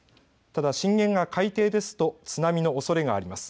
ただ、震源が海底ですと津波のおそれがあります。